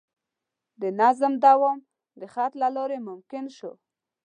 د نظم دوام د خط له لارې ممکن شو.